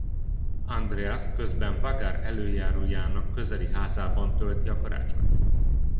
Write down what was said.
Andreas közben Vágar elöljárójának közeli házában tölti a karácsonyt.